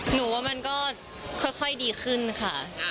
หนูว่ามันก็ค่อยดีขึ้นค่ะ